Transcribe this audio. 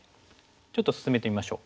ちょっと進めてみましょう。